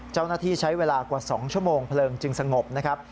เจ้าหน้าที่ใช้เวลากว่า๒ชั่วโมงพลวงจึงสงบนะครับ